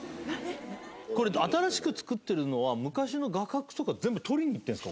これ新しく作ってるのは昔の画角とか全部撮りに行ってるんですか？